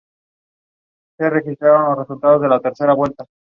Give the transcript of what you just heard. Incluye una versión de "Todo A Cien", tema de La Cabra Mecánica.